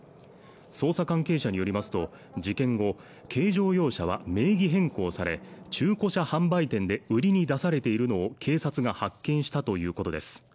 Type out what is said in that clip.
捜査関係者によりますと事件後軽乗用車は名義変更され中古車販売店で売りに出されているのを警察が発見したということです